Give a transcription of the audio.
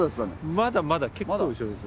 まだまだ結構後ろです。